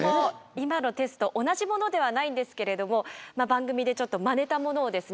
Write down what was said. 今のテスト同じものではないんですけれども番組でちょっとまねたものをですね